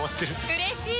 うれしいー